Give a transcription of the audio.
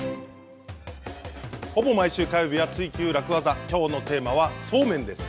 ほぼ毎週火曜日は「ツイＱ楽ワザ」きょうのテーマはそうめんです。